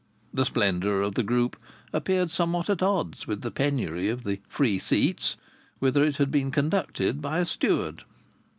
The splendour of the group appeared somewhat at odds with the penury of the "Free Seats," whither it had been conducted by a steward.